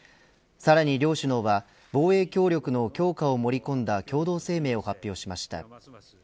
さらに両首脳は防衛協力の強化を盛り込んだ共同声明を発表しました。